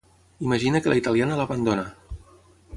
Imagina que la italiana l'abandona.